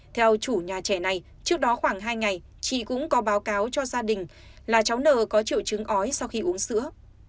theo chủ nhà trẻ này trước đó khoảng hai ngày chị cũng có báo cáo cho gia đình là cháu nờ có triệu chứng ói sau khi uống sữa